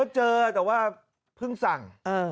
เจอแต่ว่าเพิ่งสั่ง